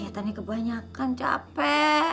kita nih kebanyakan capek